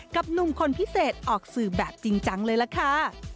หนุ่มคนพิเศษออกสื่อแบบจริงจังเลยล่ะค่ะ